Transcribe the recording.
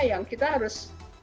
yang kita harus